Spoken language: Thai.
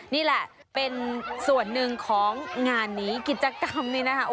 นี่แหละเป็นส่วนหนึ่งของงานนี้กิจกรรมนี้นะคะ